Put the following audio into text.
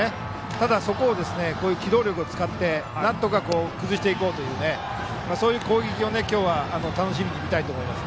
ただ、そこを機動力を使ってなんとか崩していこうというそういう攻撃を今日は楽しみに見たいと思います。